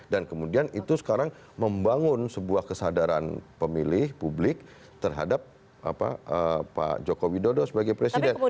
dan kemudian itu sekarang membangun sebuah kesadaran pemilih publik terhadap pak jokowi dodo sebagai presiden